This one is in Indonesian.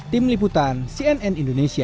tim liputan cnn indonesia